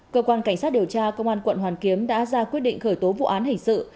cơ quan cảnh sát điều tra công an quận hoàn kiếm đã ra quyết định khởi tố vụ án hình sự